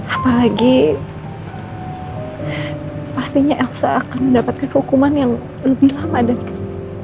apalagi pastinya elsa akan mendapatkan hukuman yang lebih lama dari kami